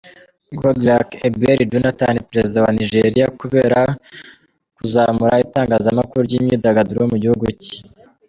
Goodluck Ebele Jonathan perezida wa Nigeria kubera kuzamura itangazamakuru ry’imyidagaduro mu gihugu cye.